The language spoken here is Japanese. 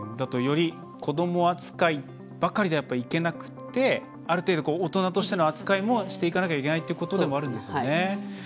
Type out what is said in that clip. より子ども扱いばかりではいけなくてある程度、大人としての扱いもしていかなきゃいけないってことなんですね。